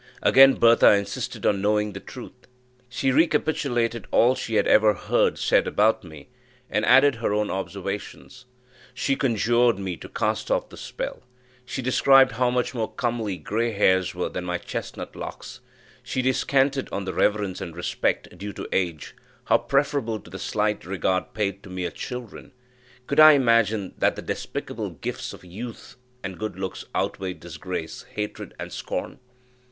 Again Bertha insisted on knowing the truth; she recapitulated all she had ever heard said about me, and added her own observations. She conjured me to cast off the spell; she described how much more comely grey hairs were than my chestnut locks; she descanted on the reverence and respect due to age how preferable to the slight regard paid to mere children: could I imagine that the despicable gifts of youth and good looks outweighed disgrace, hatred and scorn?